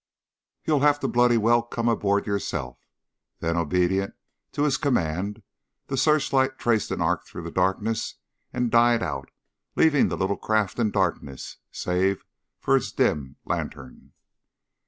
You'll have to bloody well come aboard yourself." Then, obedient to his command, the search light traced an arc through the darkness and died out, leaving the little craft in darkness, save for its dim lantern.